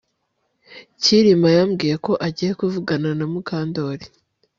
Kirima yambwiye ko agiye kuvugana na Mukandoli